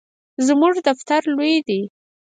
زموږ دفتر لوی دی